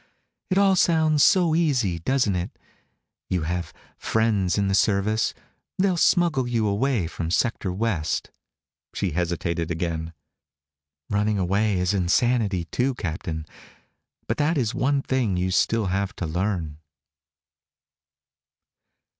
It all sounds so easy, doesn't it? You have friends in the service. They'll smuggle you away from Sector West." She hesitated again. "Running away is insanity, too, Captain. But that is one thing you still have to learn."